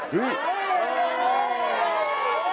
เฮ้ย